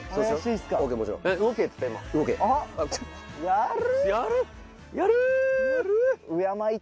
やる！